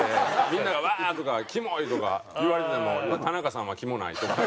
みんながワーとかキモいとか言われてても「田中さんはキモない」とか。